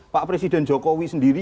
pak presiden jokowi sendiri